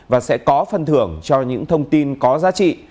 và sẽ có phân thưởng cho những thông tin có giá trị